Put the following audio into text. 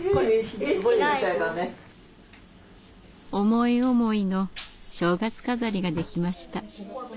思い思いの正月飾りができました。